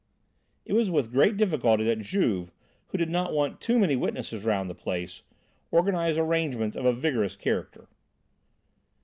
It was with great difficulty that Juve, who did not want too many witnesses round the place, organised arrangements of a vigorous character.